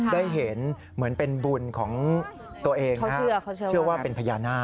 ได้เห็นเหมือนเป็นบุญของตัวเองนะครับเชื่อว่าเป็นพญานาค